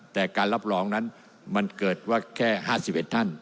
แต่การรับรองนั้นมันเกิดว่าแค่๕๑ท่าน